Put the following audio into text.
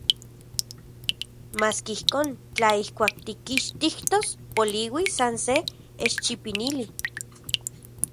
Maski ijkon, tla ijkuak tikixtijtos poliuis san se eschipinili...